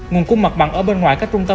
nguồn cung mặt bằng ở bên ngoài các trung tâm